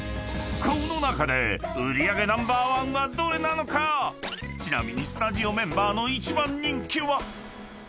［この中で売り上げナンバーワンはどれなのか⁉］［ちなみにスタジオメンバーの一番人気は］